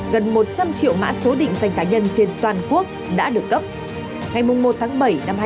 gần một trăm linh triệu mã số định danh cá nhân trên toàn quốc đã được cấp